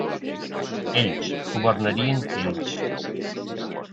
Ells, governarien ells.